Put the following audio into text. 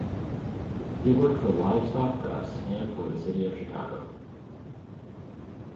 He worked for "Livestock Press" and for the city of Chicago.